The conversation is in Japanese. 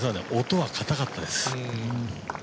音は堅かったです。